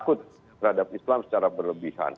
takut terhadap islam secara berlebihan